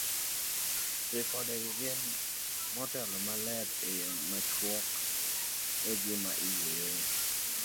Ripodgi nigi kwan motelo malero e yo machuok gima iwuoyoe.